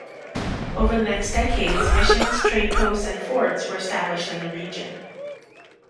Over the next decades missions, trade posts, and forts were established in the region.